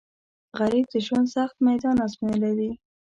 غریب د ژوند سخت میدان ازمویلی وي